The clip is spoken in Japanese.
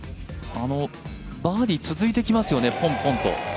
バーディーが続いていきますよね、ポンポンと。